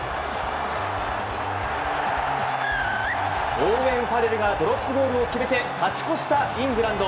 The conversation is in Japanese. オーウェン・ファレルがドロップゴールを決めて勝ち越したイングランド。